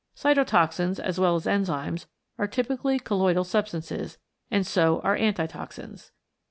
Cyto toxins, as well as enzymes, are typically colloidal substances, and so are antitoxins.